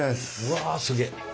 わすげえ。